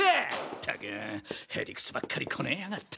ったく屁理屈ばっかりこねやがって。